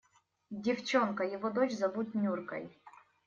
Девчонка – его дочь, зовут Нюркой.